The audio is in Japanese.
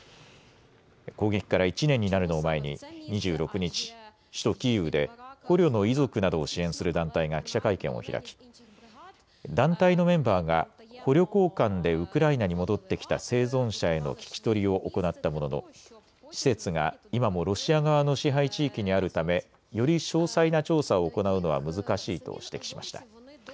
攻撃から１年になるのを前に２６日、首都キーウで捕虜の遺族などを支援する団体が記者会見を開き団体のメンバーが捕虜交換でウクライナに戻ってきた生存者への聴き取りを行ったものの施設が今もロシア側の支配地域にあるため、より詳細な調査を行うのは難しいと指摘しました。